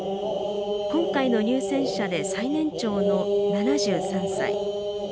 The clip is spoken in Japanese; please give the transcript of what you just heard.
今回の入選者で最年長の７３歳。